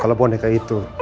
kalau boneka itu